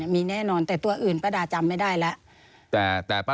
มีแน่นอนแต่ตัวอื่นป้าดาจำไม่ได้แล้ว